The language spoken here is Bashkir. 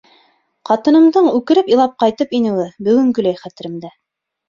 Ҡатынымдың үкереп илап ҡайтып инеүе бөгөнгөләй хәтеремдә.